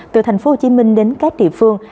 từ thành phố hồ chí minh đến các địa phương